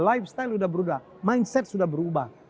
lifestyle sudah berubah mindset sudah berubah